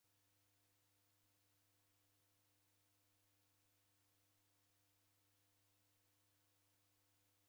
Kughora mndu ukaie meso mana yaro ni kulomba bila kusilwa.